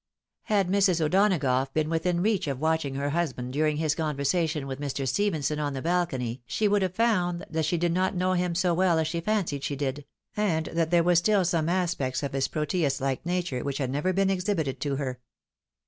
Had Mrs. O'Donagough been within reach of watching her husband during his conversation with Mr. Stephenson on the balcony she would have found that she did not yet know him so well as she fancied she did, and that there was stiU some aspects of his Proteus hke nature which had never been exhibited to her.